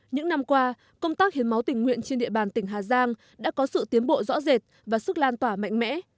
những năm qua công tác hiến máu tình nguyện trên địa bàn tỉnh hà giang đã có sự tiến bộ rõ rệt và sức lan tỏa mạnh mẽ